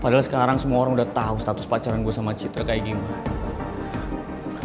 padahal sekarang semua orang udah tau status pacaran gue sama citra kayak gimana